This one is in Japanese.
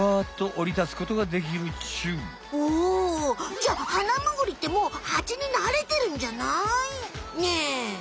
じゃあハナムグリってもうハチになれてるんじゃない？ねえ。